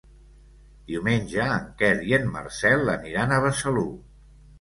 Diumenge en Quer i en Marcel aniran a Besalú.